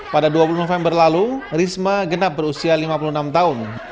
pada dua puluh november lalu risma genap berusia lima puluh enam tahun